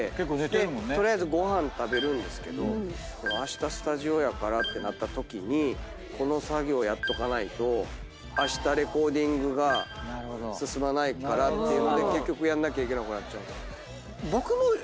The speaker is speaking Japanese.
取りあえずご飯食べるんですけどでもあしたスタジオやからってなったときにこの作業やっとかないとあしたレコーディングが進まないからっていうので結局やんなきゃいけなくなっちゃう。